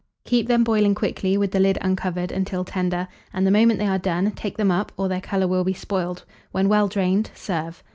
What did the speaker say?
Keep them boiling quickly, with the lid uncovered, until tender; and the moment they are done, take them up, or their colour will be spoiled; when well drained, serve.